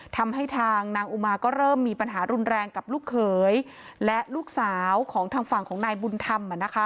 ทำให้ทางนางอุมาก็เริ่มมีปัญหารุนแรงกับลูกเขยและลูกสาวของทางฝั่งของนายบุญธรรม